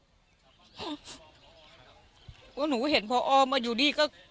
ว่าหนูเห็นพอมาอยู่ดีก็